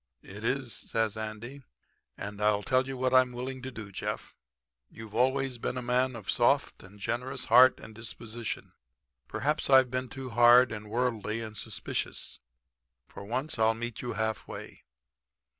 "'It is,' says Andy, 'and I tell you what I'm willing to do, Jeff. You've always been a man of a soft and generous heart and disposition. Perhaps I've been too hard and worldly and suspicious. For once I'll meet you half way.